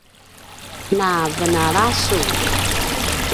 na venala sun